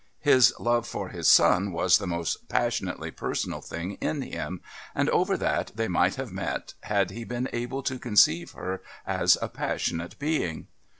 His love for his son was the most passionately personal thing in him, and over that they might have met had he been able to conceive her as a passionate being.